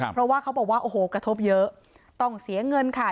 เพราะว่าเขาบอกว่าโอ้โหกระทบเยอะต้องเสียเงินค่ะ